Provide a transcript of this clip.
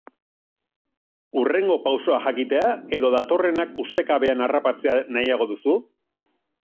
Hurrengo pausoa jakitea edo datorrenak ustekabean harrapatzea nahiago duzu?